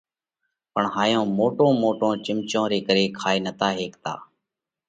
پڻ هائيون موٽون موٽون چمچون ري ڪري کائي نتا هيڪتا۔